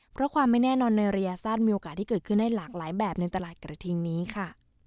เพราะความไม่แน่นอนในระยะสั้นมีโอกาสที่เกิดขึ้นได้หลากหลายแบบในตลาดกระทิงนี้ค่ะ